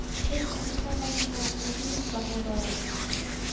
This inclination was perceived by her relations.